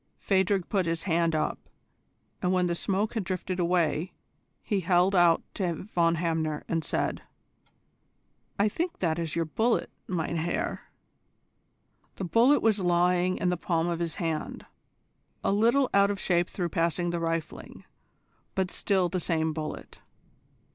Phadrig put his hand up, and when the smoke had drifted away, he held it out to Von Hamner, and said: "I think that is your bullet, mein Herr." The bullet was lying in the palm of his hand, a little out of shape through passing the rifling, but still the same bullet.